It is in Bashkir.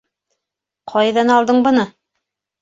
Ҡайҙан алдың быны!